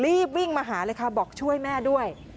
รีบวิ่งมาหาเลยค่ะบอกช่วยแม่ด้วย